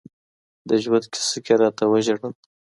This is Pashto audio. د ژوند كيسه كي راتـه وژړل